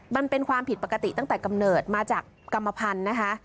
มันเป็นความผิดปกติตั้งแต่กำเนิดมาจากกรรมพันธุ์นะคะ